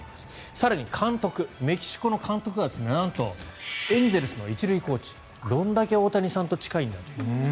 更に、監督メキシコの監督がなんとエンゼルスの１塁コーチどんだけ大谷さんと近いんだと。